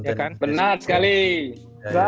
engga gak boleh gak boleh bu